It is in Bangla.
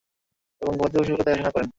এবং গবাদিপশুগুলোর দেখাশোনা করুন।